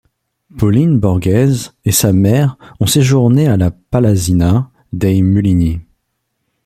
Pauline Borghese et sa mère ont séjourné à la Palazzina dei Mulini.